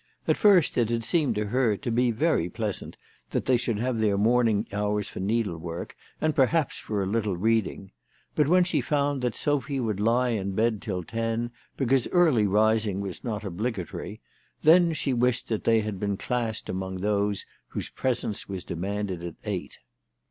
At first it had seemed to her to be very pleasant that they should have their morning hours for needlework, and perhaps for a little reading ; but when she found that Sophy would lie in bed till ten because early rising was not obligatory, then she wished that they had been classed among those whose presence was demanded at eight.